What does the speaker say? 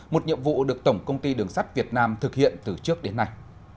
một nhiệm vụ được tổng công ty đường sắt việt nam thực hiện từ trước đến nay